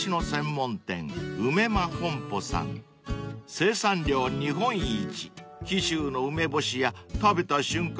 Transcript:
［生産量日本一紀州の梅干しや食べた瞬間